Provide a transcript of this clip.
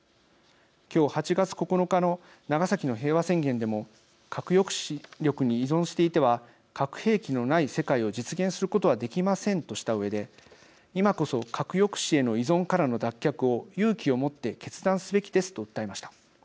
今日、８月９日の長崎の平和宣言でも核抑止力に依存していては核兵器のない世界を実現することはできませんとしたうえで今こそ、核抑止への依存からの脱却を勇気を持って決断すべきですと訴えました。